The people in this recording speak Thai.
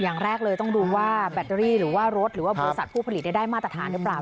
อย่างแรกเลยต้องดูว่าแบตเตอรี่หรือว่ารถ